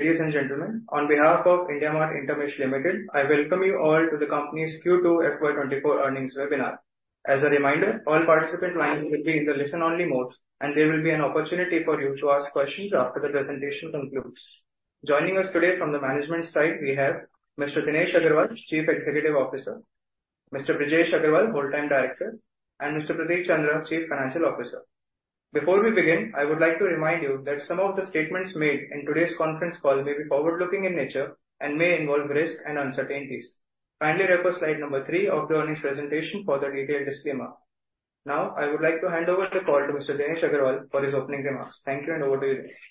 Ladies and gentlemen, on behalf of IndiaMART InterMESH Limited, I welcome you all to the company's Q2 FY 2024 earnings webinar. As a reminder, all participant lines will be in the listen-only mode, and there will be an opportunity for you to ask questions after the presentation concludes. Joining us today from the management side, we have Mr. Dinesh Agarwal, Chief Executive Officer, Mr. Brijesh Agrawal, Whole-time Director, and Mr. Prateek Chandra, Chief Financial Officer. Before we begin, I would like to remind you that some of the statements made in today's conference call may be forward-looking in nature and may involve risks and uncertainties. Kindly refer to slide number three of the earnings presentation for the detailed disclaimer. Now, I would like to hand over the call to Mr. Dinesh Agarwal for his opening remarks. Thank you, and over to you, Dinesh.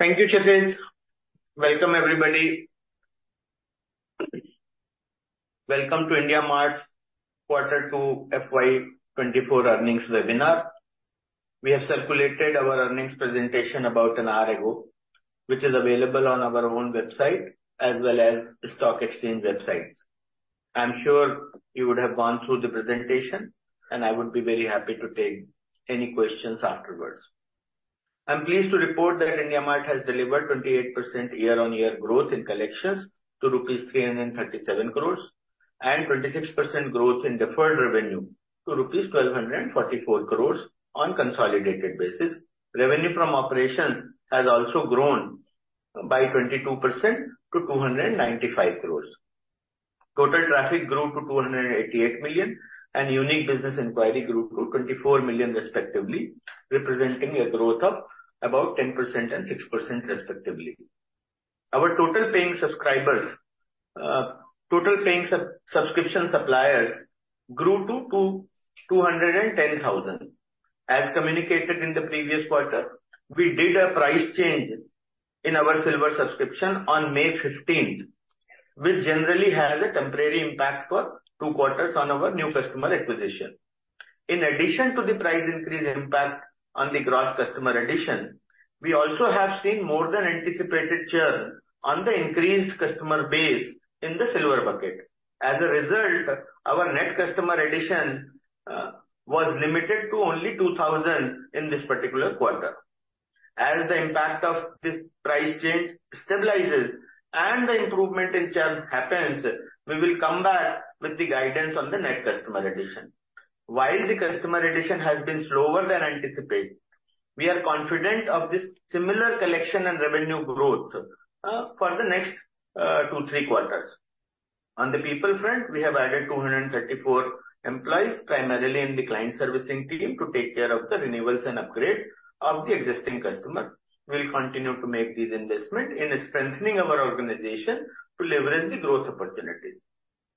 Thank you, Kshitij. Welcome, everybody. Welcome to IndiaMART's Q2 FY 2024 earnings webinar. We have circulated our earnings presentation about an hour ago, which is available on our own website, as well as the stock exchange websites. I'm sure you would have gone through the presentation, and I would be very happy to take any questions afterwards. I'm pleased to report that IndiaMART has delivered 28% year-on-year growth in collections to rupees 337 crore, and 26% growth in deferred revenue to rupees 1,244 crore on consolidated basis. Revenue from operations has also grown by 22% to 295 crore. Total traffic grew to 288 million, and unique business inquiry grew to 24 million respectively, representing a growth of about 10% and 6% respectively. Our total paying subscribers, total paying subscription suppliers grew to 210,000. As communicated in the previous quarter, we did a price change in our Silver subscription on May 15th, which generally has a temporary impact for two quarters on our new customer acquisition. In addition to the price increase impact on the gross customer addition, we also have seen more than anticipated churn on the increased customer base in the Silver bucket. As a result, our net customer addition was limited to only 2,000 in this particular quarter. As the impact of this price change stabilizes and the improvement in churn happens, we will come back with the guidance on the net customer addition. While the customer addition has been slower than anticipated, we are confident of this similar collection and revenue growth for the next two to three quarters. On the people front, we have added 234 employees, primarily in the client servicing team, to take care of the renewals and upgrade of the existing customer. We'll continue to make these investments in strengthening our organization to leverage the growth opportunities.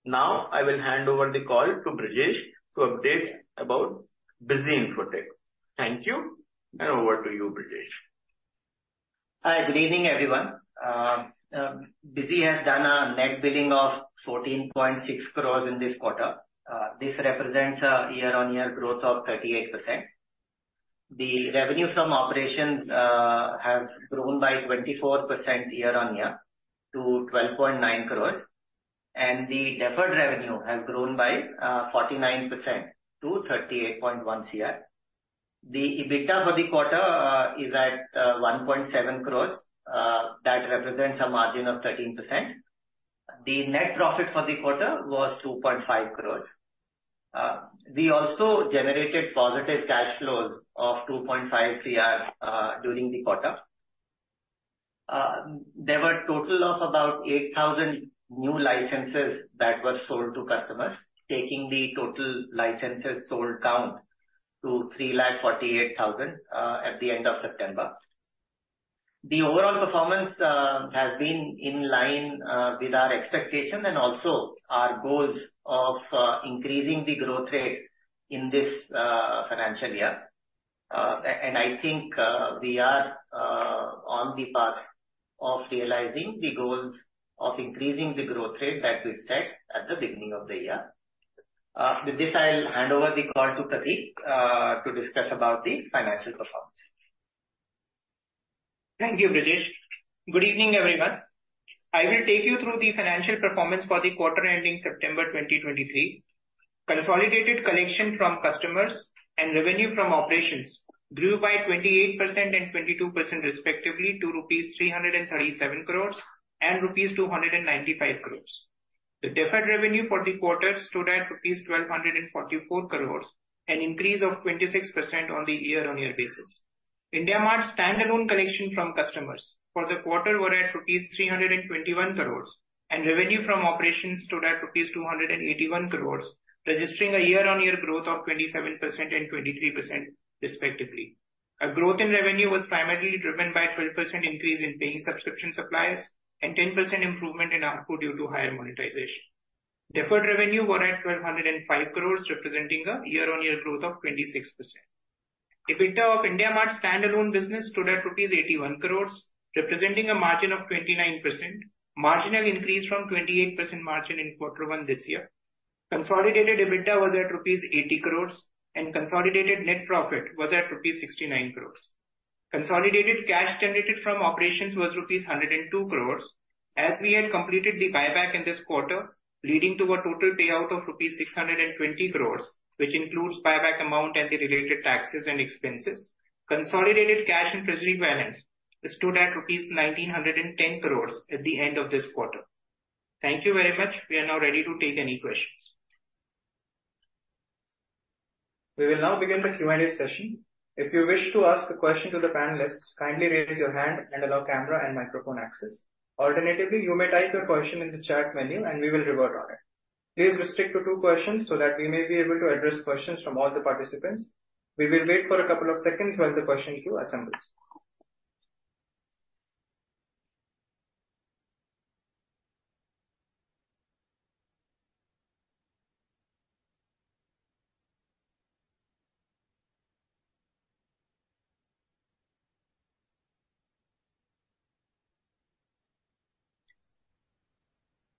Now, I will hand over the call to Brijesh to update about Busy Infotech. Thank you, and over to you, Brijesh. Hi, good evening, everyone. Busy has done a net billing of 14.6 crores in this quarter. This represents a year-on-year growth of 38%. The revenue from operations have grown by 24% year-on-year to 12.9 crores, and the deferred revenue has grown by 49% to 38.1 crores. The EBITDA for the quarter is at 1.7 crores, that represents a margin of 13%. The net profit for the quarter was 2.5 crores. We also generated positive cash flows of 2.5 crores during the quarter. There were a total of about 8,000 new licenses that were sold to customers, taking the total licenses sold count to 348,000 at the end of September. The overall performance has been in line with our expectation and also our goals of increasing the growth rate in this financial year. And I think we are on the path of realizing the goals of increasing the growth rate that we set at the beginning of the year. With this, I'll hand over the call to Prateek to discuss about the financial performance. Thank you, Brijesh. Good evening, everyone. I will take you through the financial performance for the quarter ending September 2023. Consolidated collection from customers and revenue from operations grew by 28% and 22%, respectively, to rupees 337 crore and rupees 295 crore. The deferred revenue for the quarter stood at rupees 1,244 crore, an increase of 26% on the year-on-year basis. IndiaMART's standalone collection from customers for the quarter were at rupees 321 crore, and revenue from operations stood at rupees 281 crore, registering a year-on-year growth of 27% and 23% respectively. A growth in revenue was primarily driven by a 12% increase in paying subscription suppliers and 10% improvement in ARPU due to higher monetization. Deferred revenue were at 1,205 crores, representing a year-on-year growth of 26%. EBITDA of IndiaMART's standalone business stood at 81 crores, representing a margin of 29%. Margin had increased from 28% margin in Q1 this year. Consolidated EBITDA was at rupees 80 crores, and consolidated net profit was at rupees 69 crores. Consolidated cash generated from operations was rupees 102 crores. ...As we had completed the buyback in this quarter, leading to a total payout of rupees 620 crore, which includes buyback amount and the related taxes and expenses, consolidated cash and treasury balance stood at rupees 1,910 crore at the end of this quarter. Thank you very much. We are now ready to take any questions. We will now begin the Q&A session. If you wish to ask a question to the panelists, kindly raise your hand and allow camera and microphone access. Alternatively, you may type your question in the chat menu and we will revert on it. Please restrict to two questions so that we may be able to address questions from all the participants. We will wait for a couple of seconds while the question queue assembles.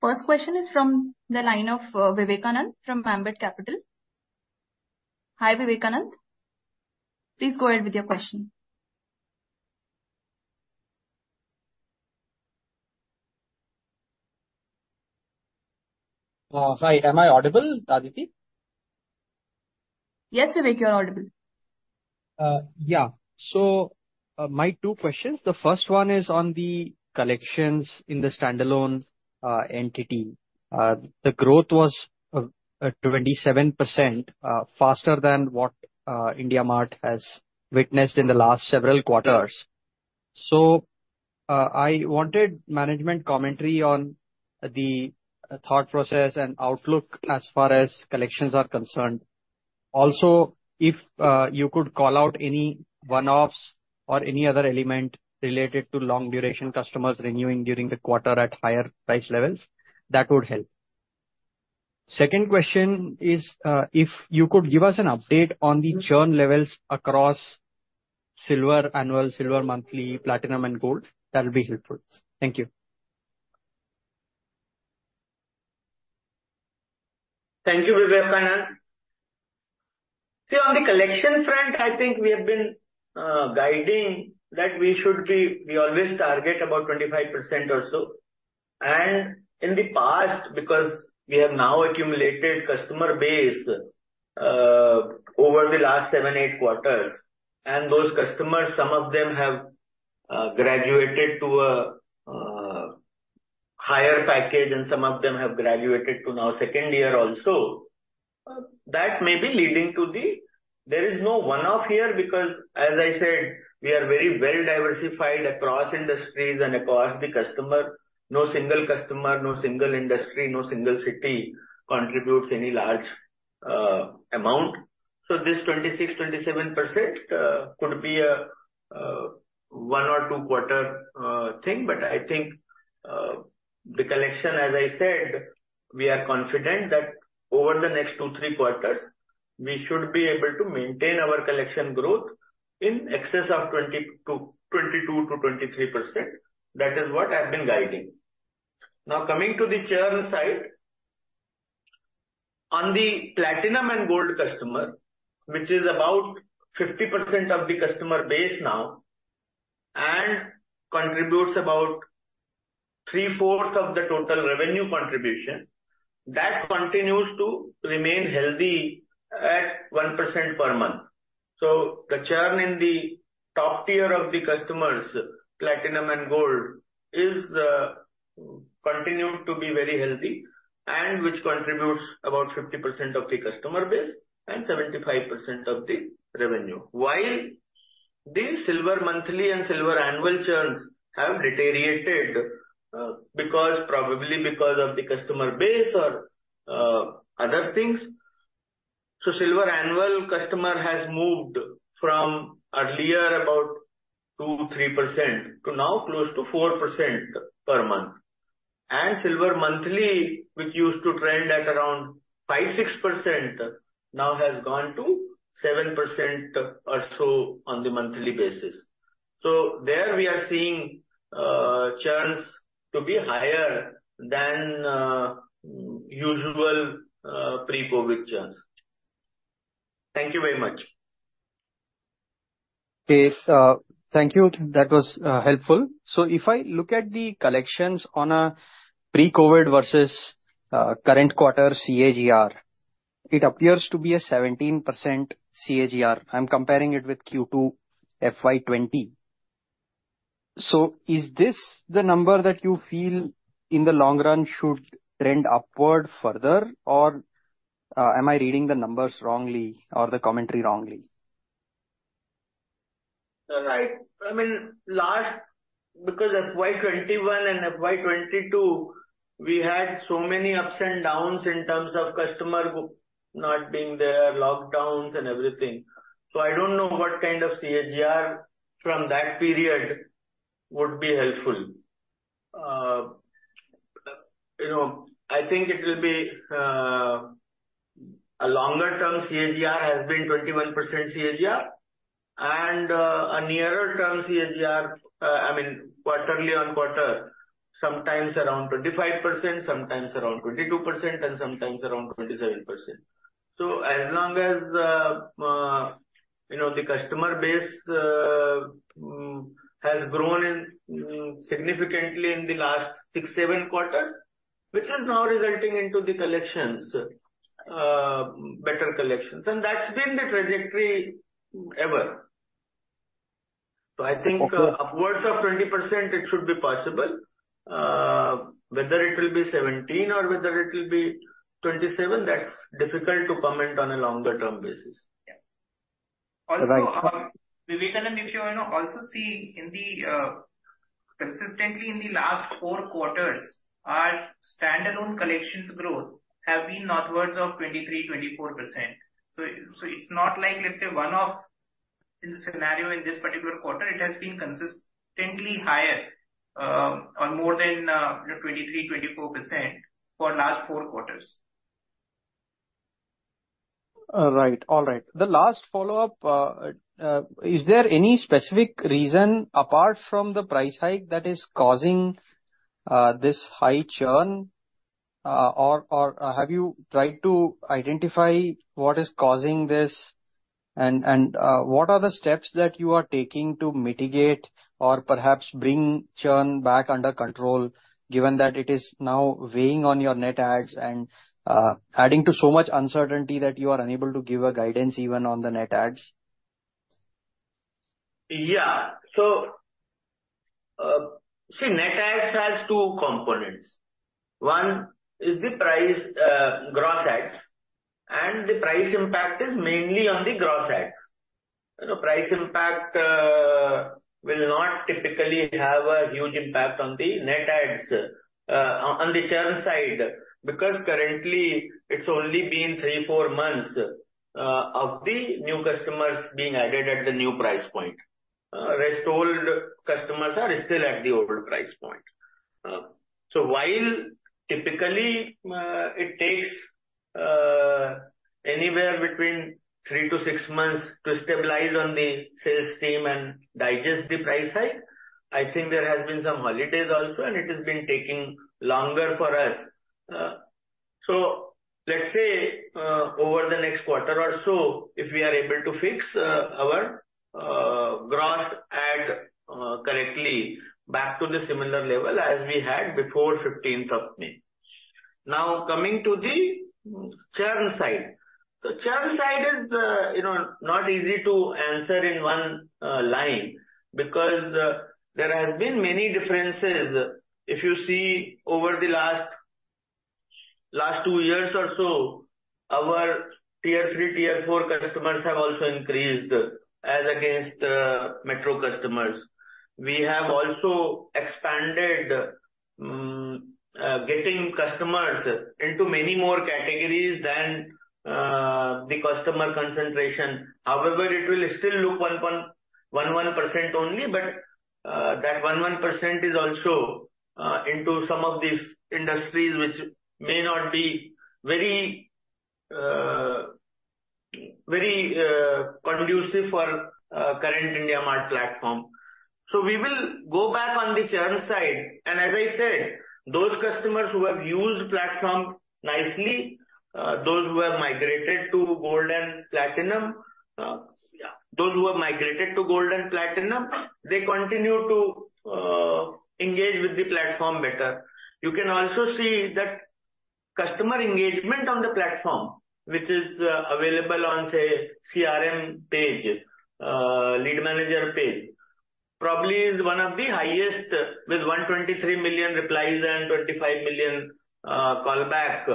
First question is from the line of Vivekanand from Ambit Capital. Hi, Vivekanand. Please go ahead with your question. Hi. Am I audible, Aditi? Yes, Vivekananda, you're audible. Yeah. So, my two questions. The first one is on the collections in the standalone entity. The growth was 27% faster than what IndiaMART has witnessed in the last several quarters. So, I wanted management commentary on the thought process and outlook as far as collections are concerned. Also, if you could call out any one-offs or any other element related to long duration customers renewing during the quarter at higher price levels, that would help. Second question is, if you could give us an update on the churn levels across Silver annual, Silver monthly, Platinum, and Gold, that would be helpful. Thank you. Thank you, Vivekanand. So on the collection front, I think we have been guiding that we should be. We always target about 25% or so. And in the past, because we have now accumulated customer base over the last seven, eight quarters, and those customers, some of them have graduated to a higher package and some of them have graduated to now second year also. That may be leading to the. There is no one-off here, because as I said, we are very well diversified across industries and across the customer. No single customer, no single industry, no single city contributes any large amount. So this 26%, 27% could be a one or two quarter thing. I think the collection, as I said, we are confident that over the next two to three quarters, we should be able to maintain our collection growth in excess of 22%-23%. That is what I've been guiding. Now, coming to the churn side, on the Platinum and Gold customer, which is about 50% of the customer base now, and contributes about 3/4 of the total revenue contribution, that continues to remain healthy at 1% per month. So the churn in the top tier of the customers, Platinum and Gold, is continued to be very healthy and which contributes about 50% of the customer base and 75% of the revenue. While the Silver monthly and Silver annual churns have deteriorated, because, probably because of the customer base or other things. So Silver annual customer has moved from earlier, about 2%-3%, to now close to 4% per month. And Silver monthly, which used to trend at around 5%, 6%, now has gone to 7% or so on the monthly basis. So there we are seeing churns to be higher than usual, pre-COVID churns. Thank you very much. Okay, thank you. That was helpful. So if I look at the collections on a pre-COVID versus current quarter CAGR, it appears to be a 17% CAGR. I'm comparing it with Q2 FY 2020. So is this the number that you feel in the long run should trend upward further, or am I reading the numbers wrongly or the commentary wrongly? Right. I mean, last, because FY 2021 and FY 2022, we had so many ups and downs in terms of customer not being there, lockdowns and everything. So I don't know what kind of CAGR from that period would be helpful. You know, I think it will be a longer term CAGR, has been 21% CAGR, and a nearer term CAGR, I mean, quarter-over-quarter, sometimes around 25%, sometimes around 22%, and sometimes around 27%. So as long as, You know, the customer base has grown significantly in the last six, seven quarters, which is now resulting into the collections, better collections, and that's been the trajectory ever. So I think, upwards of 20% it should be possible. whether it will be 17 or whether it will be 27, that's difficult to comment on a longer term basis. Yeah. Also, Vivekananda, if you, you know, also see in the consistently in the last four quarters, our standalone collections growth have been northwards of 23%-24%. So, so it's not like, let's say, one-off in the scenario in this particular quarter, it has been consistently higher, on more than 23%-24% for last four quarters. All right. All right. The last follow-up, is there any specific reason apart from the price hike that is causing this high churn? Or have you tried to identify what is causing this, and what are the steps that you are taking to mitigate or perhaps bring churn back under control, given that it is now weighing on your net adds and adding to so much uncertainty that you are unable to give a guidance even on the net adds? Yeah. So, see, net adds has two components. One is the price, gross adds, and the price impact is mainly on the gross adds. The price impact will not typically have a huge impact on the net adds, on the churn side, because currently it's only been three, four months of the new customers being added at the new price point. Rest old customers are still at the old price point. So while typically, it takes anywhere between three to six months to stabilize on the sales team and digest the price hike, I think there has been some holidays also, and it has been taking longer for us. So let's say, over the next quarter or so, if we are able to fix our gross add correctly back to the similar level as we had before 15th of May. Now, coming to the churn side. The churn side is, you know, not easy to answer in one line, because there has been many differences. If you see over the last two years or so, our Tier 3, Tier 4 customers have also increased as against metro customers. We have also expanded, getting customers into many more categories than the customer concentration. However, it will still look 1.1% only, but that 1.1% is also into some of these industries which may not be very conducive for current IndiaMART platform. So we will go back on the churn side, and as I said, those customers who have used platform nicely, those who have migrated to Gold and Platinum, they continue to engage with the platform better. You can also see that customer engagement on the platform, which is available on, say, CRM page, Lead Manager page, probably is one of the highest, with 123 million replies and 25 million call back.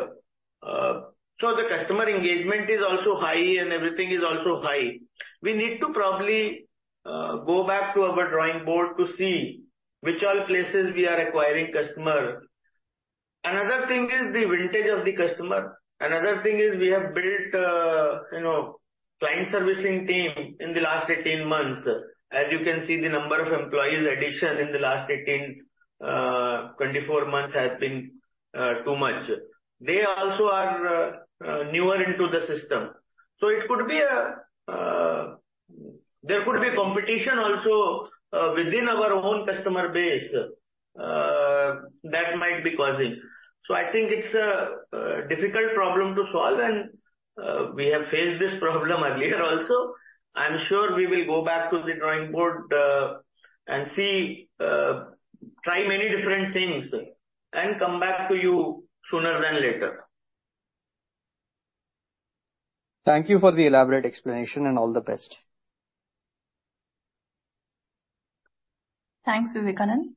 So the customer engagement is also high, and everything is also high. We need to probably go back to our drawing board to see which all places we are acquiring customer. Another thing is the vintage of the customer. Another thing is we have built, you know, client servicing team in the last 18 months. As you can see, the number of employees addition in the last 18-24 months has been too much. They also are newer into the system. So it could be there could be competition also within our own customer base that might be causing. So I think it's a difficult problem to solve, and we have faced this problem earlier also. I'm sure we will go back to the drawing board and see, try many different things and come back to you sooner than later. Thank you for the elaborate explanation, and all the best. Thanks, Vivekanand.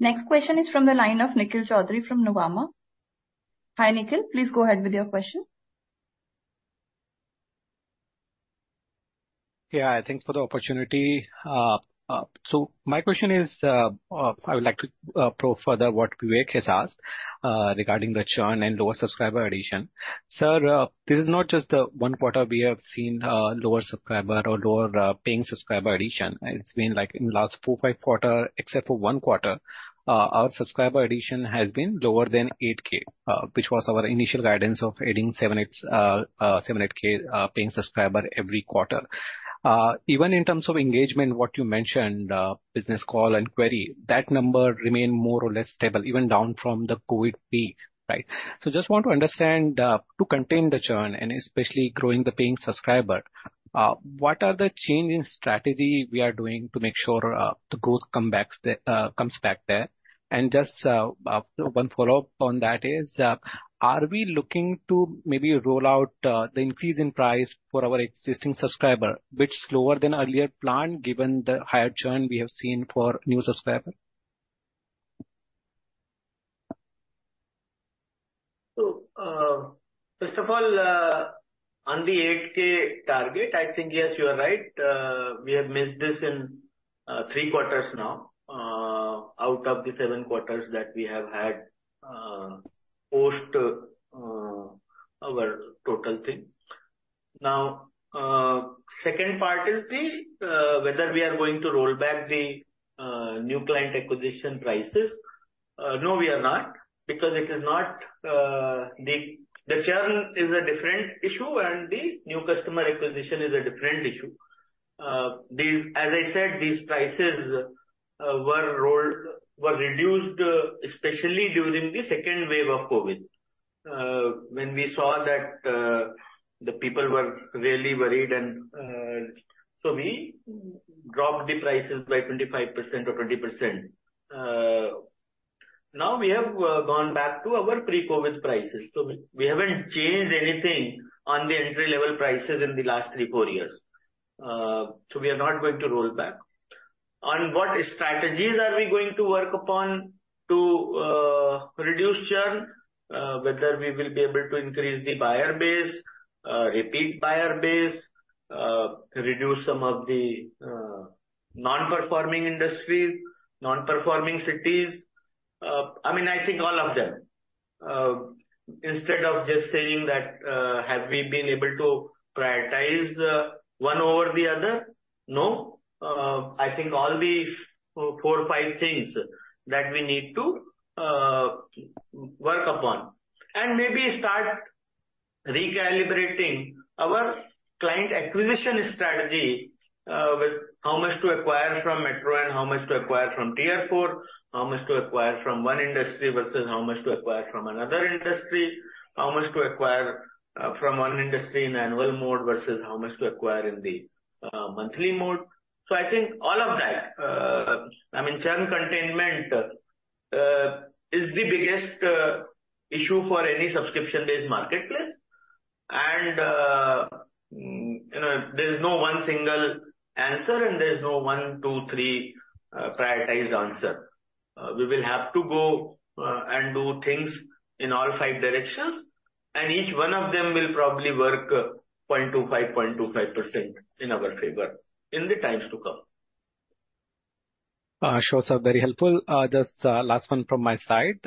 Next question is from the line of Nikhil Choudhary from Nuvama. Hi, Nikhil, please go ahead with your question. Yeah, thanks for the opportunity. I would like to probe further what Vivek has asked regarding the churn and lower subscriber addition. Sir, this is not just the one quarter we have seen lower subscriber or lower paying subscriber addition. It's been like in the last four, five quarters, except for one quarter, our subscriber addition has been lower than 8,000, which was our initial guidance of adding 7,000-8,000 paying subscribers every quarter. Even in terms of engagement, what you mentioned, business call and query, that number remained more or less stable, even down from the COVID peak, right? So, just want to understand, to contain the churn and especially growing the paying subscriber, what are the change in strategy we are doing to make sure the growth comes back there? And just, one follow-up on that is, are we looking to maybe roll out the increase in price for our existing subscriber, which is lower than earlier planned, given the higher churn we have seen for new subscriber? So, first of all, on the 8,000 target, I think, yes, you are right. We have missed this in three quarters now, out of the seven quarters that we have had, post our total thing. Now, second part is the whether we are going to roll back the new client acquisition prices. No, we are not, because it is not the, the churn is a different issue, and the new customer acquisition is a different issue. These, as I said, these prices were rolled, were reduced, especially during the second wave of COVID. When we saw that the people were really worried and so we dropped the prices by 25% or 20%. Now we have gone back to our pre-COVID prices. So we haven't changed anything on the entry-level prices in the last three, four years. So we are not going to roll back. On what strategies are we going to work upon to reduce churn, whether we will be able to increase the buyer base, repeat buyer base, reduce some of the non-performing industries, non-performing cities. I mean, I think all of them. Instead of just saying that, have we been able to prioritize one over the other? No. I think all these four, five things that we need to work upon, and maybe start recalibrating our client acquisition strategy, with how much to acquire from Metro and how much to acquire from Tier 4, how much to acquire from one industry versus how much to acquire from another industry, how much to acquire from one industry in annual mode versus how much to acquire in the monthly mode. So I think all of that, I mean, churn containment is the biggest issue for any subscription-based marketplace. You know, there is no one single answer, and there is no one, two, three prioritized answer. We will have to go and do things in all five directions, and each one of them will probably work 0.25%, 0.25% in our favor in the times to come. Sure, sir. Very helpful. Just, last one from my side.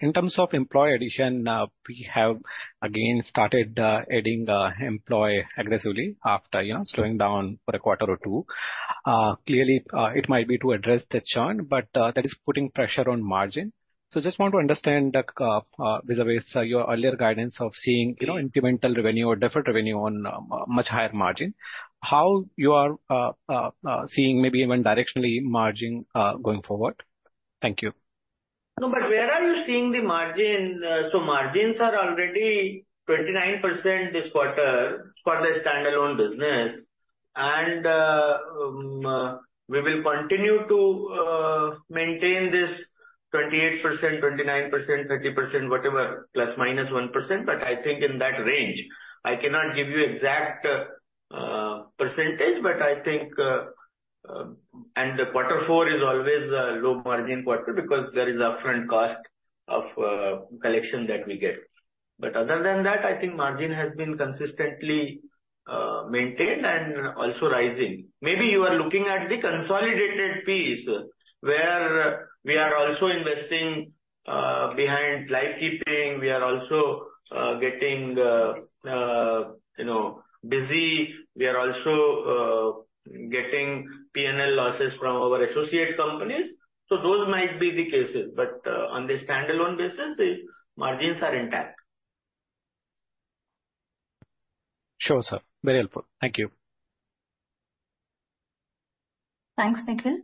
In terms of employee addition, we have again started adding employee aggressively after, you know, slowing down for a quarter or two. Clearly, it might be to address the churn, but that is putting pressure on margin. So just want to understand, like, vis-à-vis your earlier guidance of seeing, you know, incremental revenue or deferred revenue on much higher margin, how you are seeing maybe even directionally margin going forward? Thank you. No, but where are you seeing the margin? So margins are already 29% this quarter for the standalone business, and we will continue to maintain this 28%, 29%, 30%, whatever, ±1%, but I think in that range. I cannot give you exact percentage, but I think. And Q4 is always a low margin quarter because there is upfront cost of collection that we get. But other than that, I think margin has been consistently maintained and also rising. Maybe you are looking at the consolidated piece, where we are also investing behind Livekeeping. We are also getting you know Busy. We are also getting P&L losses from our associate companies. So those might be the cases, but, on the standalone basis, the margins are intact. Sure, sir. Very helpful. Thank you. Thanks, Nikhil.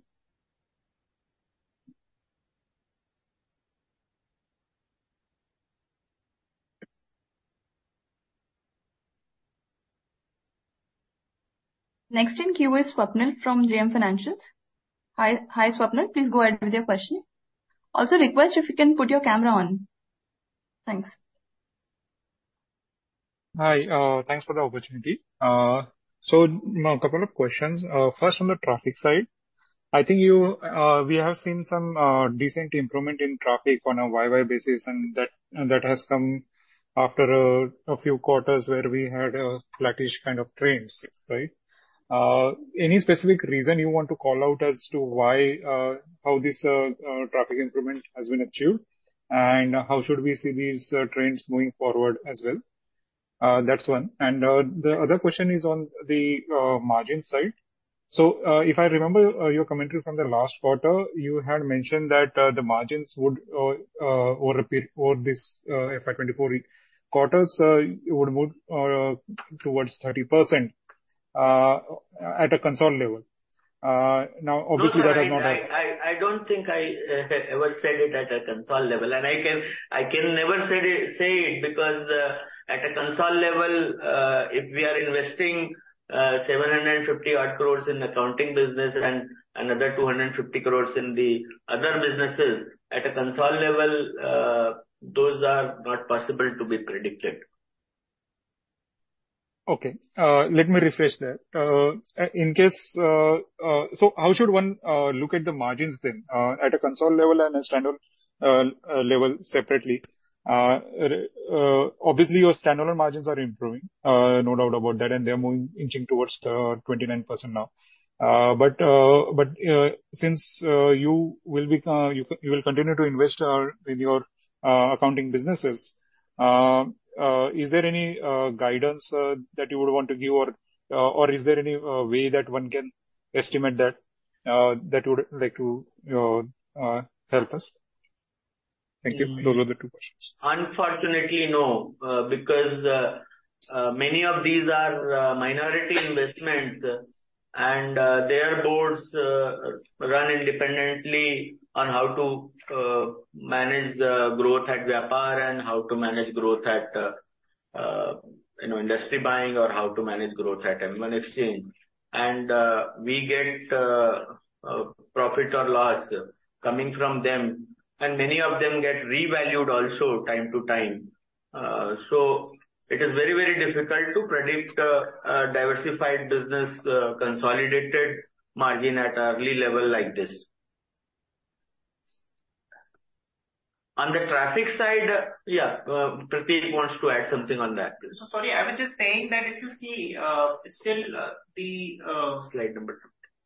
Next in queue is Swapnil from JM Financial. Hi, hi, Swapnil, please go ahead with your question. Also, request if you can put your camera on. Thanks. Hi, thanks for the opportunity. So a couple of questions. First, on the traffic side, I think we have seen some decent improvement in traffic on a YoY basis, and that has come after a few quarters where we had a flattish kind of trends, right? Any specific reason you want to call out as to why how this traffic improvement has been achieved, and how should we see these trends moving forward as well? That's one. And the other question is on the margin side. So, if I remember your commentary from the last quarter, you had mentioned that the margins would over this FY 2024 quarters, it would move towards 30%, at a consol level. Now, obviously, that has not- I don't think I ever said it at a consolidated level, and I can never say it, because at a consolidated level, if we are investing 750-odd crores in accounting business and another 250 crores in the other businesses, at a consolidated level, those are not possible to be predicted. Okay, let me rephrase that. So how should one look at the margins then, at a consol level and a standalone level separately? Obviously, your standalone margins are improving, no doubt about that, and they are moving, inching towards 29% now. But since you will continue to invest in your accounting businesses, is there any guidance that you would want to give or is there any way that one can estimate that you would like to help us? Thank you. Those were the two questions. Unfortunately, no, because many of these are minority investments, and their boards run independently on how to manage the growth at Vyapar and how to manage growth at, you know, industry buying, or how to manage growth at M1xchange. And we get profit or loss coming from them, and many of them get revalued also time to time. So it is very, very difficult to predict a diversified business consolidated margin at an early level like this. On the traffic side, yeah, Prateek wants to add something on that. Sorry, I was just saying that if you see, still, the- Slide number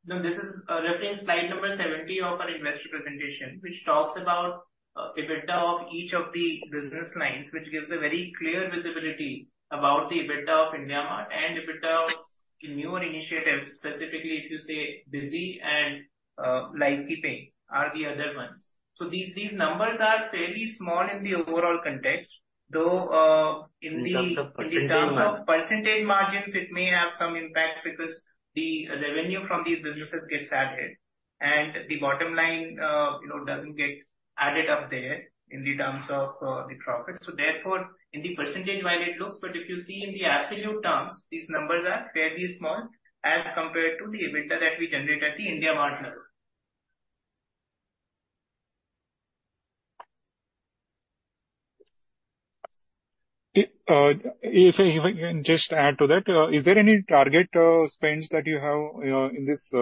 70. No, this is reference slide number 70 of our investor presentation, which talks about EBITDA of each of the business lines, which gives a very clear visibility about the EBITDA of IndiaMART and EBITDA of the newer initiatives, specifically, if you say, Busy and Livekeeping are the other ones. So these, these numbers are fairly small in the overall context, though in the. In terms of percentage margins. In terms of percentage margins, it may have some impact because the revenue from these businesses gets added, and the bottom line, you know, doesn't get added up there in the terms of, the profit. So therefore, in the percentage value it looks, but if you see in the absolute terms, these numbers are fairly small as compared to the EBITDA that we generate at the IndiaMART level. If I can just add to that, is there any target spends that you have in this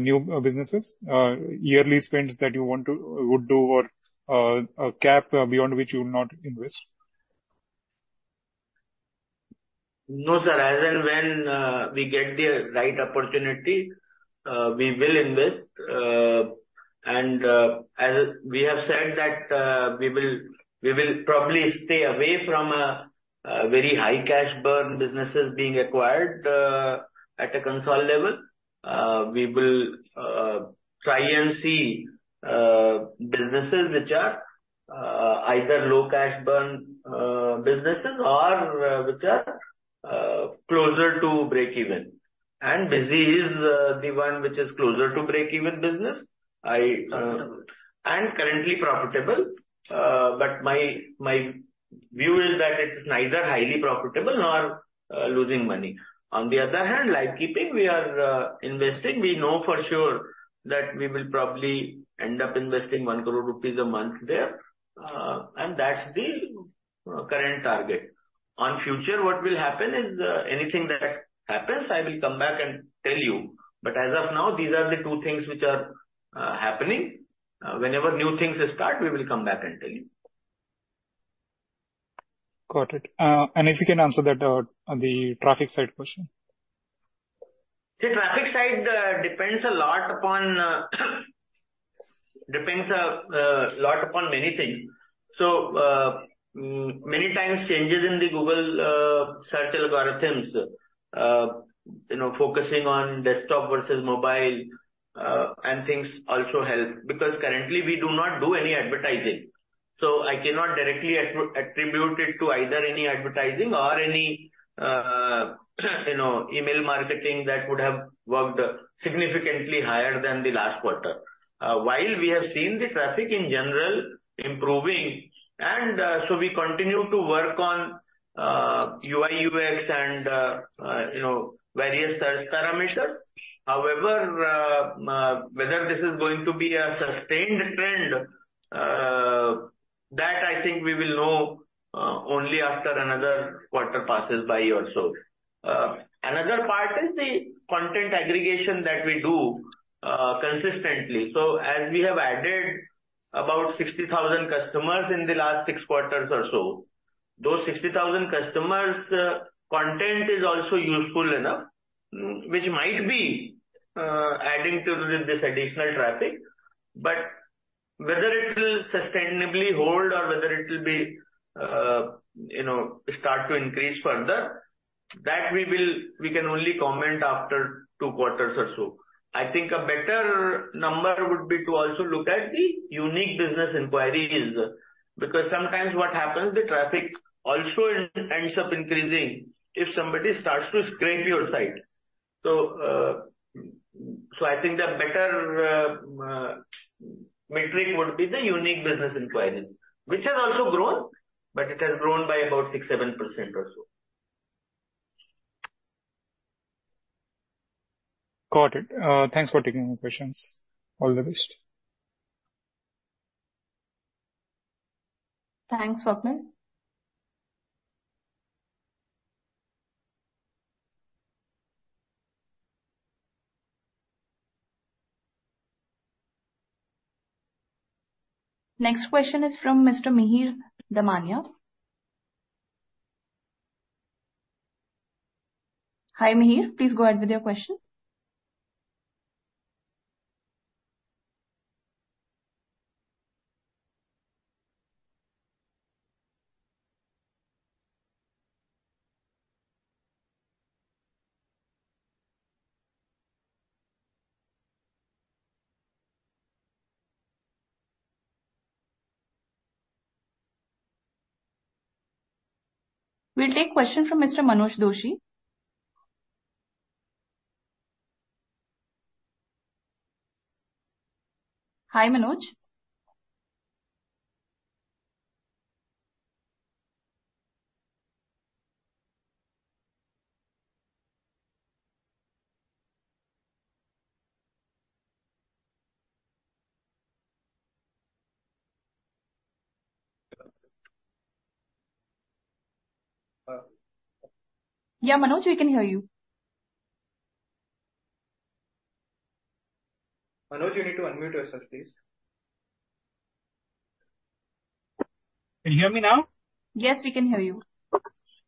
new businesses? Yearly spends that you want to would do, or a cap beyond which you will not invest? No, sir. As and when we get the right opportunity, we will invest. And, as we have said that, we will probably stay away from a very high cash burn businesses being acquired at a console level. We will try and see businesses which are either low cash burn businesses or which are closer to breakeven. And Busy is the one which is closer to breakeven business. I- Profitable. Currently profitable. But my, my view is that it is neither highly profitable nor losing money. On the other hand, Livekeeping, we are investing. We know for sure that we will probably end up investing 1 crore rupees a month there, and that's the current target. On future, what will happen is, anything that happens, I will come back and tell you. But as of now, these are the two things which are happening. Whenever new things start, we will come back and tell you. Got it. And if you can answer that, on the traffic side question? The traffic side depends a lot upon many things. So, many times, changes in the Google search algorithms, you know, focusing on desktop versus mobile, and things also help, because currently we do not do any advertising. So I cannot directly attribute it to either any advertising or any, you know, email marketing that would have worked significantly higher than the last quarter. While we have seen the traffic in general improving, and so we continue to work on UI, UX, and you know, various search parameters. However, whether this is going to be a sustained trend, that I think we will know only after another quarter passes by or so. Another part is the content aggregation that we do consistently. So as we have added about 60,000 customers in the last six quarters or so, those 60,000 customers, content is also useful enough, which might be adding to this additional traffic. But whether it will sustainably hold or whether it'll be, you know, start to increase further, that we can only comment after two quarters or so. I think a better number would be to also look at the unique business inquiries. Because sometimes what happens, the traffic also ends up increasing if somebody starts to scrape your site. So, so I think the better metric would be the unique business inquiries, which has also grown, but it has grown by about 6%, 7% or so. Got it. Thanks for taking my questions. All the best. Thanks, Swapnil. Next question is from Mr. Mihir Damania. Hi, Mihir. Please go ahead with your question. We'll take question from Mr. Manoj Doshi. Hi, Manoj. Yeah, Manoj, we can hear you. Manoj, you need to unmute yourself, please. Can you hear me now? Yes, we can hear you.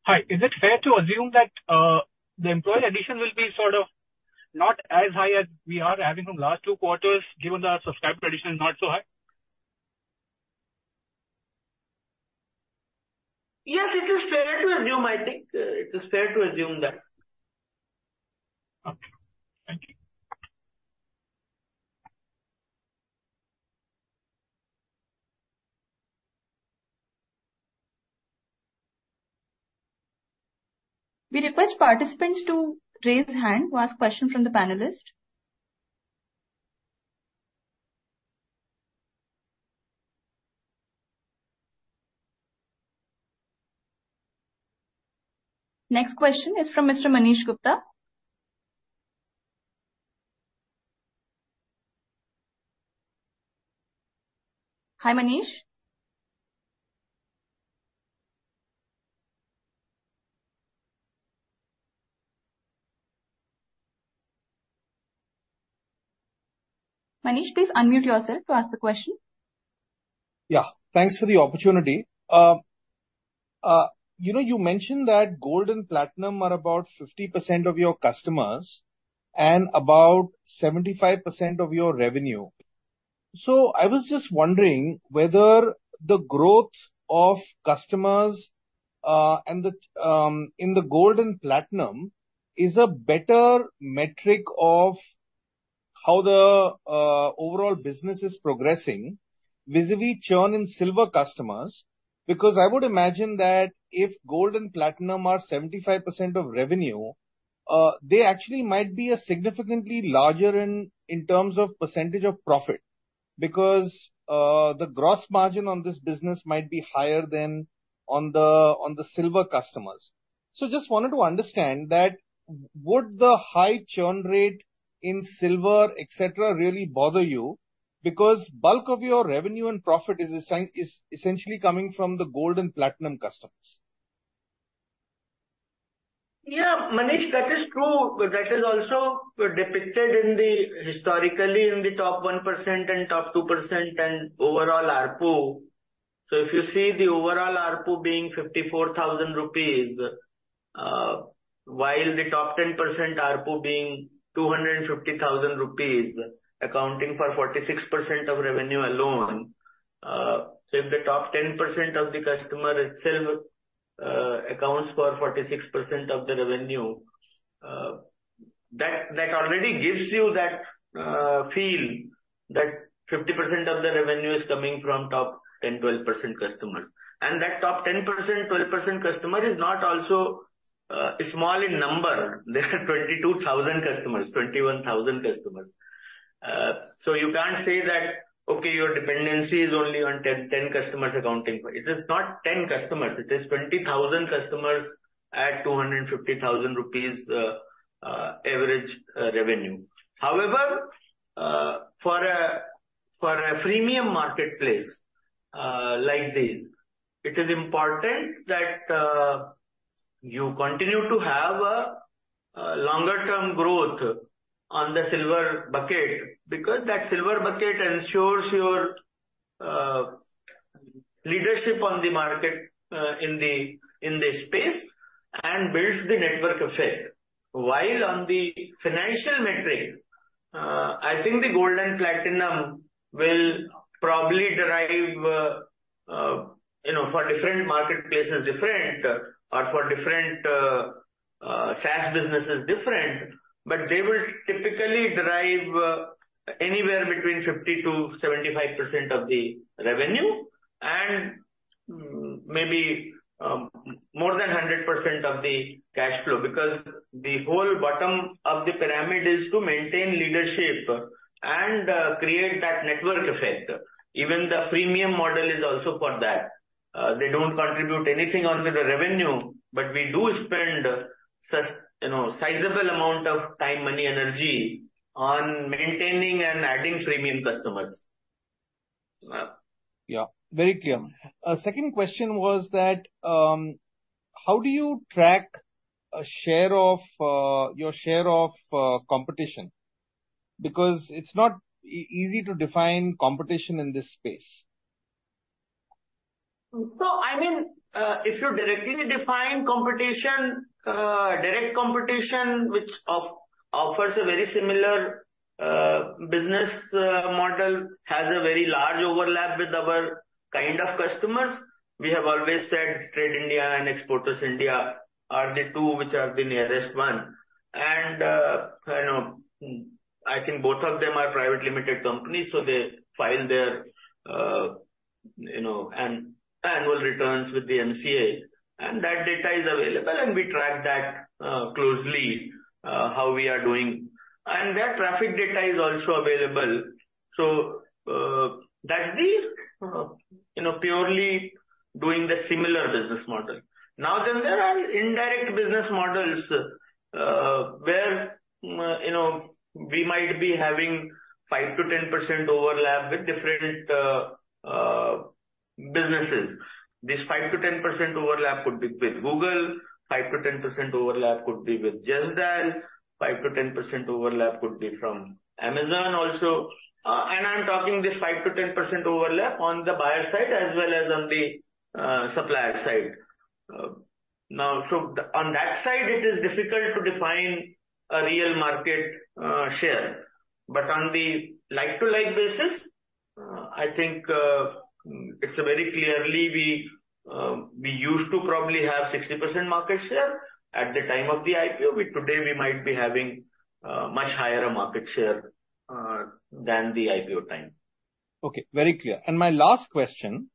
Hi. Is it fair to assume that the employee addition will be sort of not as high as we are having from last two quarters, given that our subscriber addition is not so high? Yes, it is fair to assume. I think, it is fair to assume that. Okay. Thank you. We request participants to raise their hand to ask question from the panelist. Next question is from Mr. Manish Gupta. Hi, Manish. Manish, please unmute yourself to ask the question. Yeah, thanks for the opportunity. You know, you mentioned that Gold and Platinum are about 50% of your customers and about 75% of your revenue. So I was just wondering whether the growth of customers and the in the Gold and Platinum is a better metric of how the overall business is progressing vis-à-vis churn in Silver customers. Because I would imagine that if Gold and Platinum are 75% of revenue, they actually might be a significantly larger in terms of percentage of profit, because the gross margin on this business might be higher than on the Silver customers. So just wanted to understand that would the high churn rate in Silver, et cetera, really bother you? Because bulk of your revenue and profit is essentially coming from the Gold and Platinum customers. Yeah, Manish, that is true, but that is also depicted in the historically in the top 1% and top 2% and overall ARPU. So if you see the overall ARPU being 54,000 rupees, while the top 10% ARPU being 250,000 rupees, accounting for 46% of revenue alone. So if the top 10% of the customer itself, accounts for 46% of the revenue, that, that already gives you that, feel that 50% of the revenue is coming from top 10-12% customers. And that top 10-12% customer is not also, small in number. They are 22,000 customers, 21,000 customers. So you can't say that, okay, your dependency is only on 10, 10 customers accounting for it. It is not 10 customers, it is 20,000 customers at 250,000 rupees average revenue. However, for a freemium marketplace like this, it is important that you continue to have a long-term growth on the silver bucket, because that silver bucket ensures your leadership on the market in the space and builds the network effect. While on the financial metric, I think the gold and platinum will probably derive, you know, for different marketplaces different or for different SaaS businesses different, but they will typically derive anywhere between 50%-75% of the revenue, and maybe more than 100% of the cash flow. Because the whole bottom of the pyramid is to maintain leadership and create that network effect. Even the freemium model is also for that. They don't contribute anything onto the revenue, but we do spend such, you know, sizable amount of time, money, energy on maintaining and adding freemium customers. Yeah. Yeah. Very clear. Second question was that, how do you track a share of your share of competition? Because it's not easy to define competition in this space. So, I mean, if you're directly defining competition, direct competition, which offers a very similar business model, has a very large overlap with our kind of customers. We have always said TradeIndia and Exporters India are the two which are the nearest one. And, you know, I think both of them are private limited companies, so they file their, you know, annual returns with the MCA, and that data is available, and we track that closely, how we are doing. And their traffic data is also available. So, that is, you know, purely doing the similar business model. Now, then there are indirect business models, where, you know, we might be having 5%-10% overlap with different businesses. This 5%-10% overlap could be with Google, 5%-10% overlap could be with JustDial, 5%-10% overlap could be from Amazon also. And I'm talking this 5%-10% overlap on the buyer side as well as on the supplier side. Now, so on that side, it is difficult to define a real market share. But on the like-to-like basis, I think it's very clearly we used to probably have 60% market share at the time of the IPO. We today, we might be having much higher market share than the IPO time. Okay, very clear. And my last question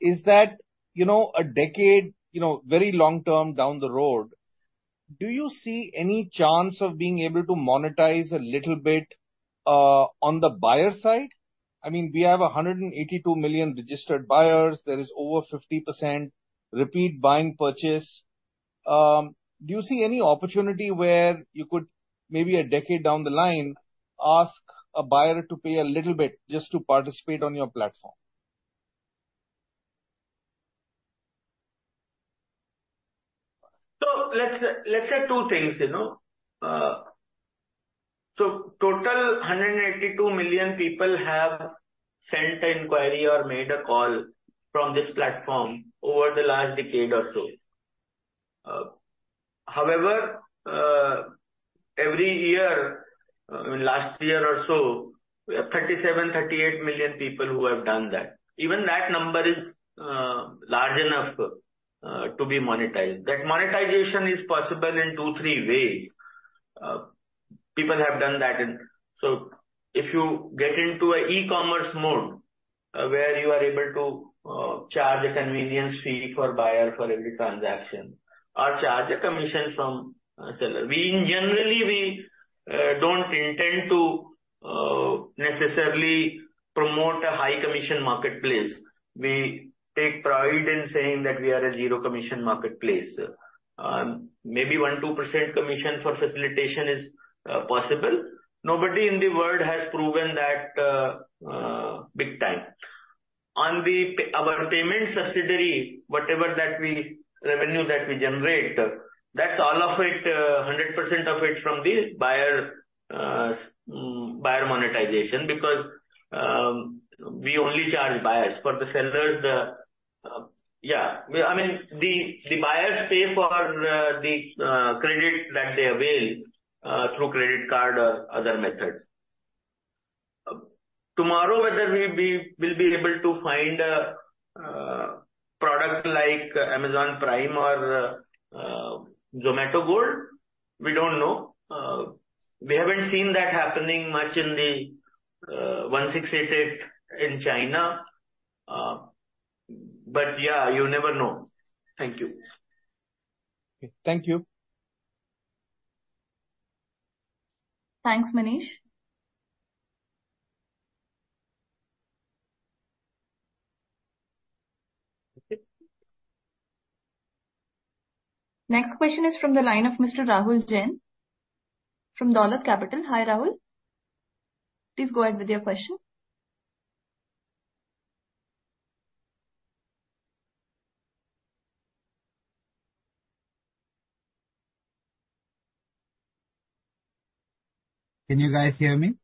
is that, you know, a decade, you know, very long term down the road, do you see any chance of being able to monetize a little bit on the buyer side? I mean, we have 182 million registered buyers. There is over 50% repeat buying purchase. Do you see any opportunity where you could, maybe a decade down the line, ask a buyer to pay a little bit just to participate on your platform? So let's say two things, you know. So total, 182 million people have sent an inquiry or made a call from this platform over the last decade or so. However, every year, last year or so, we have 37-38 million people who have done that. Even that number is large enough to be monetized. That monetization is possible in two, three ways. People have done that in... So if you get into an e-commerce mode, where you are able to charge a convenience fee for buyer for every transaction or charge a commission from a seller. We, generally, we don't intend to necessarily promote a high commission marketplace. We take pride in saying that we are a zero-commission marketplace. Maybe 1%-2% commission for facilitation is possible. Nobody in the world has proven that big time. On our payment subsidiary, whatever revenue that we generate, that's all of it, 100% of it from the buyer, buyer monetization, because we only charge buyers. For the sellers, yeah, I mean, the buyers pay for the credit that they avail through credit card or other methods. Tomorrow, whether we'll be able to find a product like Amazon Prime or Zomato Gold, we don't know. We haven't seen that happening much in the 1688 in China. But yeah, you never know. Thank you. Thank you. Thanks, Manish... Next question is from the line of Mr. Rahul Jain, from Dolat Capital. Hi, Rahul. Please go ahead with your question. Can you guys hear me?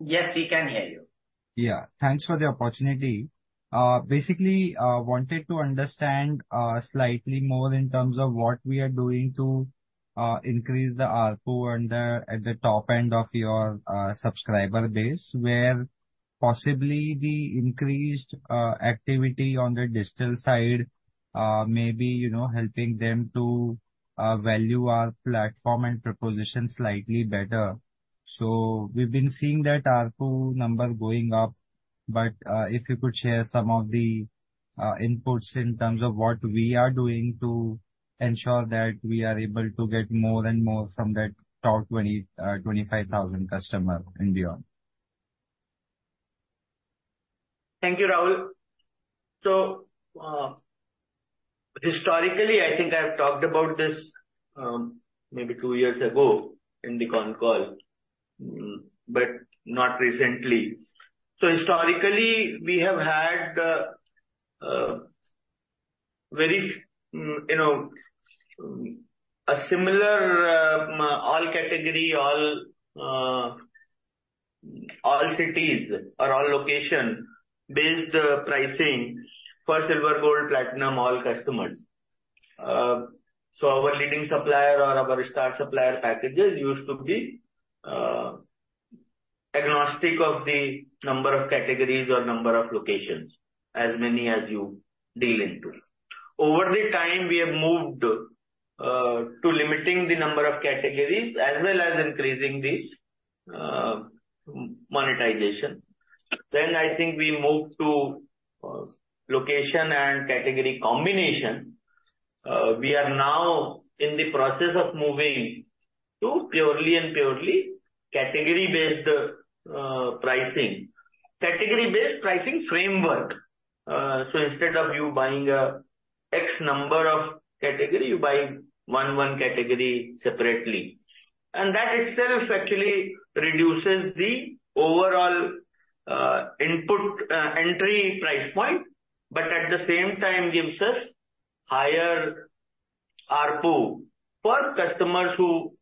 Yes, we can hear you. Yeah. Thanks for the opportunity. Basically, wanted to understand slightly more in terms of what we are doing to increase the ARPU and the, at the top end of your subscriber base. Where possibly the increased activity on the digital side may be, you know, helping them to value our platform and proposition slightly better. So we've been seeing that ARPU number going up, but if you could share some of the inputs in terms of what we are doing to ensure that we are able to get more and more from that top 25,000 customer and beyond. Thank you, Rahul. So, historically, I think I've talked about this, maybe two years ago in the con call, but not recently. So historically, we have had, you know, a similar, all category, all, all cities or all location-based pricing for Silver, Gold, Platinum, all customers. So our leading supplier or our star supplier packages used to be, agnostic of the number of categories or number of locations, as many as you deal into. Over the time, we have moved, to limiting the number of categories as well as increasing the, monetization. Then, I think we moved to, location and category combination. We are now in the process of moving to purely and purely category-based, pricing. Category-based pricing framework. So instead of you buying a X number of category, you buy one, one category separately. And that itself actually reduces the overall input entry price point, but at the same time gives us higher ARPU for customers who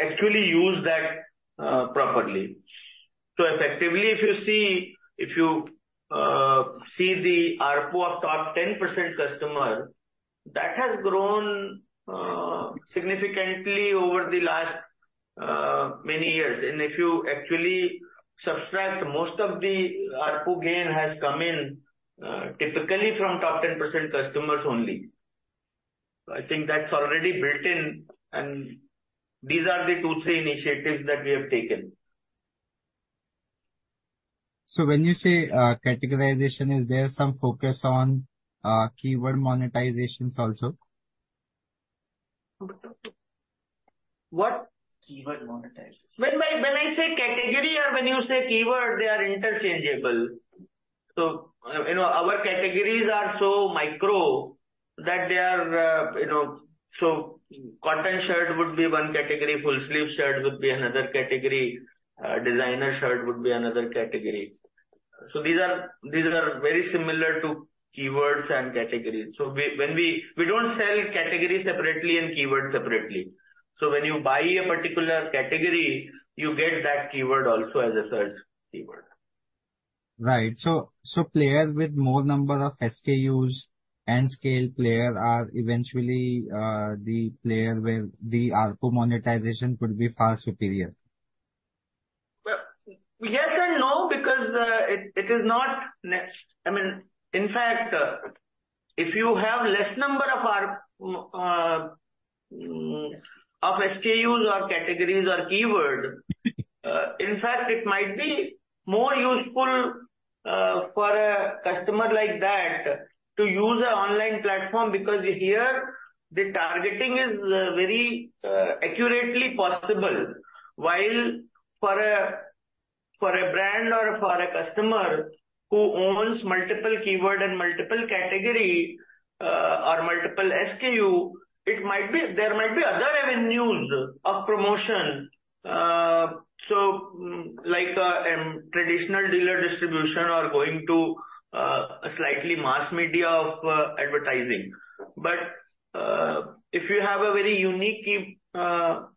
actually use that properly. So effectively, if you see, if you see the ARPU of top 10% customer, that has grown significantly over the last many years. And if you actually subtract, most of the ARPU gain has come in typically from top 10% customers only. I think that's already built in, and these are the two, three initiatives that we have taken. So when you say, categorization, is there some focus on, keyword monetizations also? What? Keyword monetization. When I say category or when you say keyword, they are interchangeable. So, you know, our categories are so micro that they are, you know... So cotton shirt would be one category, full sleeve shirt would be another category, designer shirt would be another category. So these are, these are very similar to keywords and categories. So we don't sell categories separately and keywords separately. So when you buy a particular category, you get that keyword also as a search keyword. Right. So players with more number of SKUs and scale player are eventually the player where the ARPU monetization could be far superior? Well, yes and no, because it is not—I mean, in fact, if you have less number of ARPU of SKUs or categories or keyword—In fact, it might be more useful for a customer like that to use an online platform, because here the targeting is very accurately possible. While for a brand or for a customer who owns multiple keyword and multiple category or multiple SKU, there might be other revenues of promotion. So, like, traditional dealer distribution or going to a slightly mass media of advertising. But if you have a very unique key product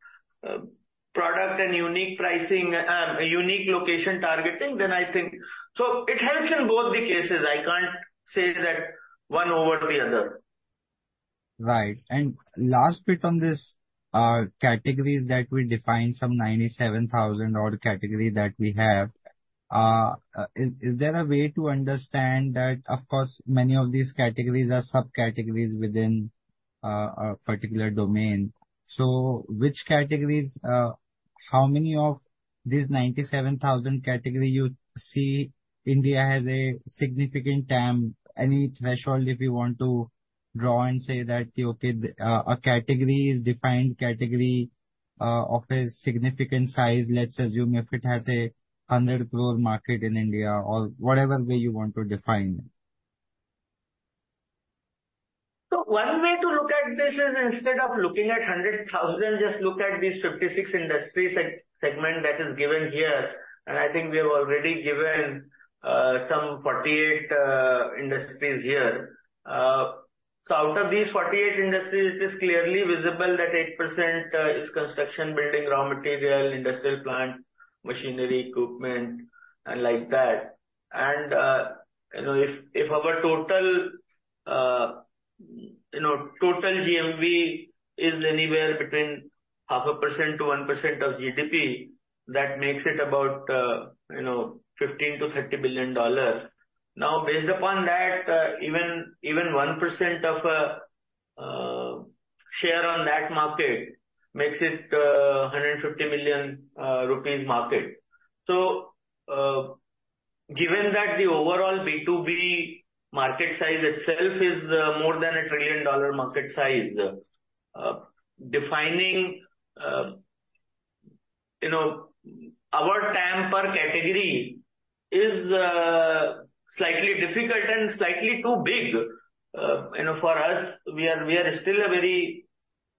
and unique pricing, a unique location targeting, then I think... So it helps in both the cases, I can't say that one over the other. Right. And last bit on this, categories that we defined, some 97,000 odd category that we have. Is, is there a way to understand that, of course, many of these categories are subcategories within a particular domain. So which categories, how many of these 97,000 category you see India has a significant TAM, any threshold if you want to draw and say that, okay, a category is defined category? Of a significant size, let's assume if it has 100 crore market in India or whatever way you want to define it. So one way to look at this is instead of looking at 100,000, just look at these 56 industries segment that is given here, and I think we have already given some 48 industries here. So out of these 48 industries, it is clearly visible that 8% is construction, building, raw material, industrial plant, machinery, equipment, and like that. And, you know, if our total, you know, total GMV is anywhere between 0.5% to 1% of GDP, that makes it about, you know, $15 billion-$30 billion. Now, based upon that, even one percent of share on that market makes it 150 million rupees market. So, given that the overall B2B market size itself is more than a $1 trillion market size, defining, you know, our TAM per category is slightly difficult and slightly too big. You know, for us, we are, we are still a very...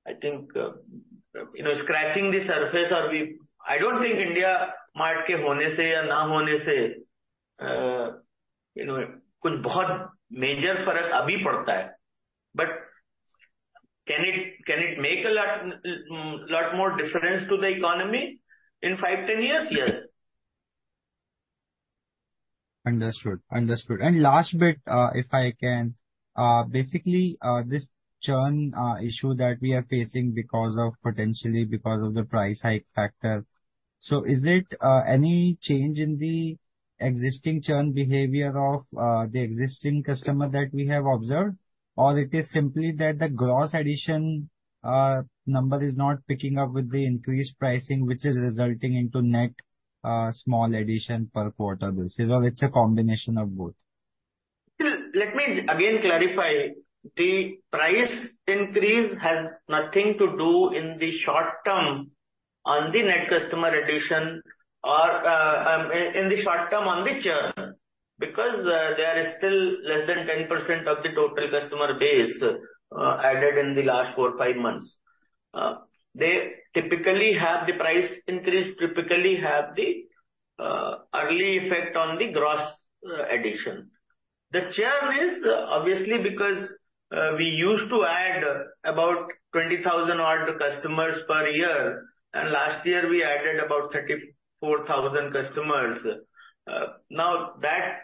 I think, you know, scratching the surface, or we-- I don't think IndiaMART ke hone se ya na hone se, you know, kuch bahot major farak abhi padta hai. But can it, can it make a lot, lot more difference to the economy in five, 10 years? Yes. Understood. Understood. Last bit, if I can. Basically, this churn issue that we are facing because of potentially because of the price hike factor. So is it any change in the existing churn behavior of the existing customer that we have observed? Or it is simply that the gross addition number is not picking up with the increased pricing, which is resulting into net small addition per quarter, or it's a combination of both? Let me again clarify. The price increase has nothing to do in the short term on the net customer addition or, in the short term on the churn, because, they are still less than 10% of the total customer base, added in the last four, five months. They typically have the price increase, early effect on the gross addition. The churn is obviously because, we used to add about 20,000-odd customers per year, and last year we added about 34,000 customers. Now, that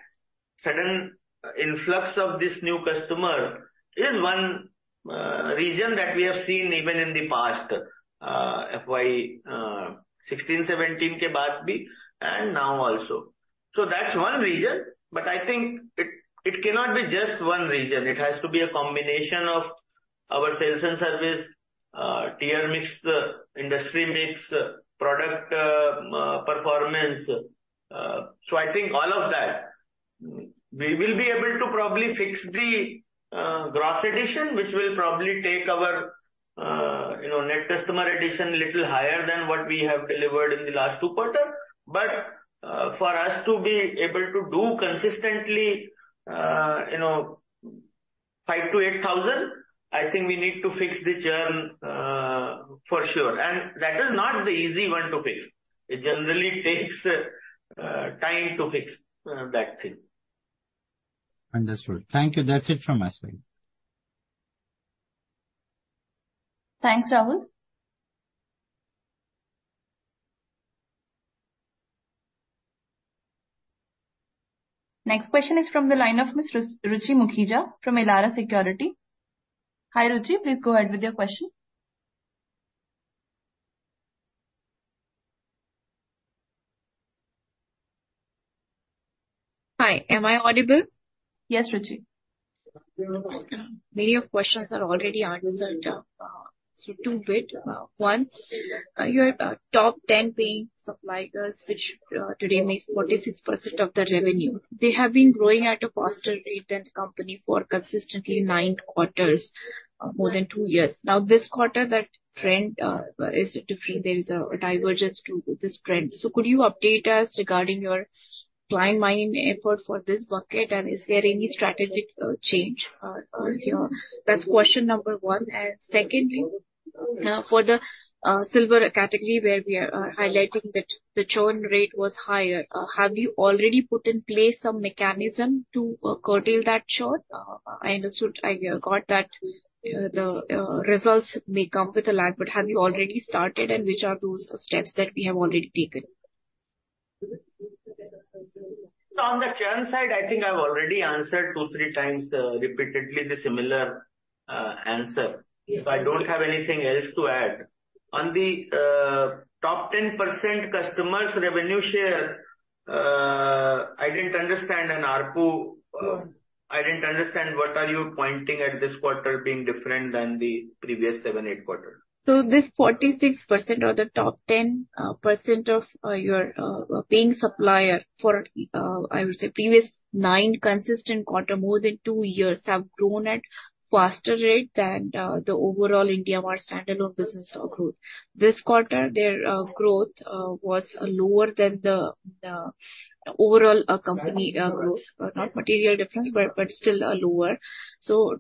sudden influx of this new customer is one, reason that we have seen even in the past, FY 2016, 2017 ke baad bhi, and now also. So that's one reason, but I think it cannot be just one reason. It has to be a combination of our sales and service, tier mix, industry mix, product, performance. So I think all of that, we will be able to probably fix the, gross addition, which will probably take our, you know, net customer addition little higher than what we have delivered in the last two quarter. But, for us to be able to do consistently, you know, 5,000-8,000, I think we need to fix the churn, for sure. And that is not the easy one to fix. It generally takes, time to fix, that thing. Understood. Thank you. That's it from my side. Thanks, Rahul. Next question is from the line of Ms. Ruchi Mukhija from Elara Securities. Hi, Ruchi, please go ahead with your question. Hi, am I audible? Yes, Ruchi. Many of questions are already answered, so two bit. One, your top ten paying suppliers, which today makes 46% of the revenue. They have been growing at a faster rate than the company for consistently nine quarters, more than two years. Now, this quarter, that trend is different. There is a divergence to this trend. So could you update us regarding your client mining effort for this bucket, and is there any strategic change with your... That's question number one. And secondly, for the Silver category, where we are highlighting that the churn rate was higher, have you already put in place some mechanism to curtail that churn? I understood, I got that, the results may come with a lag, but have you already started, and which are those steps that we have already taken? On the churn side, I think I've already answered two, three times, repeatedly the similar, answer. Yes. I don't have anything else to add. On the top 10% customers' revenue share, I didn't understand an ARPU. I didn't understand what are you pointing at this quarter being different than the previous seven, eight quarters? So this 46% or the top 10% of your paying supplier for, I would say previous nine consistent quarter, more than two years, have grown at faster rate than the overall IndiaMART standard of business or growth. This quarter, their growth was lower than the overall company growth. Not material difference, but still lower.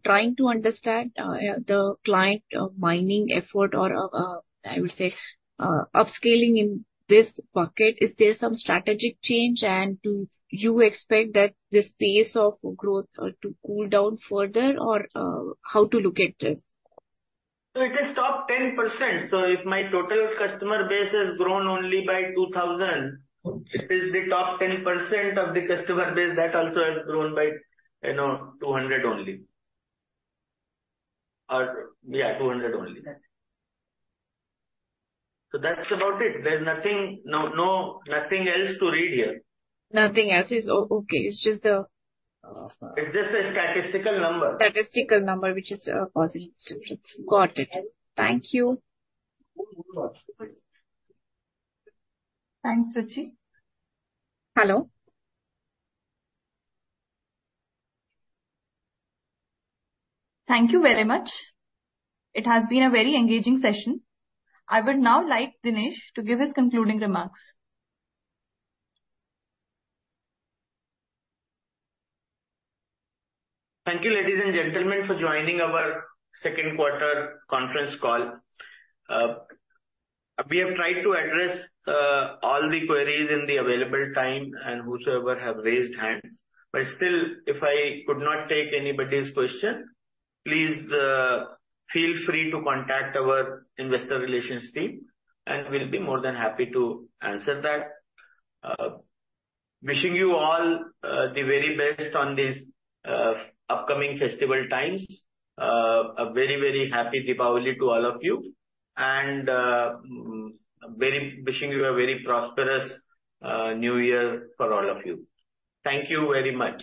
Trying to understand the client mining effort or, I would say, upscaling in this bucket, is there some strategic change? And do you expect that this pace of growth to cool down further or how to look at this? So it is top 10%, so if my total customer base has grown only by 2,000, it is the top 10% of the customer base that also has grown by, you know, 200 only. Yeah, 200 only. So that's about it. There's nothing... no, no, nothing else to read here. Nothing else. It's okay. It's just, It's just a statistical number. Statistical number, which is, causing it. Got it. Thank you. You're welcome. Thanks, Ruchi. Hello? Thank you very much. It has been a very engaging session. I would now like Dinesh to give his concluding remarks. Thank you, ladies and gentlemen, for joining our Q2 conference call. We have tried to address all the queries in the available time and whosoever have raised hands. But still, if I could not take anybody's question, please, feel free to contact our investor relations team, and we'll be more than happy to answer that. Wishing you all the very best on this upcoming festival times. A very, very happy Diwali to all of you, and wishing you a very prosperous New Year for all of you. Thank you very much.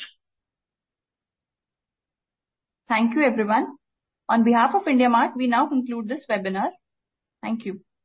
Thank you, everyone. On behalf of IndiaMART, we now conclude this webinar. Thank you.